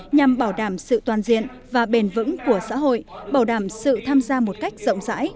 nhằm bảo đảm sự toàn diện và bền vững của xã hội bảo đảm sự tham gia một cách rộng rãi